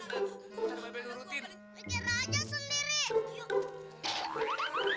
pajar aja sendiri